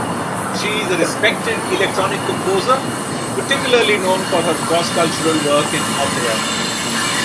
She is a respected electronic composer particularly known for her cross-cultural work in opera.